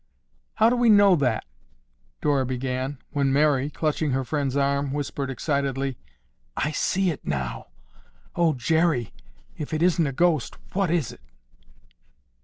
"How do we know that—" Dora began when Mary, clutching her friend's arm, whispered excitedly, "I see it now! Oh, Jerry, if it isn't a ghost, what is it?"